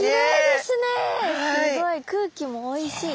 すごい空気もおいしい。